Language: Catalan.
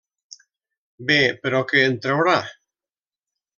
Bé, però què en traurà?